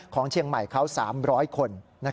ของเชียงใหม่เขา๓๐๐คน